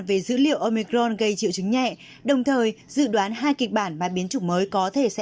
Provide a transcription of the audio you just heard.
về dữ liệu omicron gây triệu chứng nhẹ đồng thời dự đoán hai kịch bản mà biến chủng mới có thể sẽ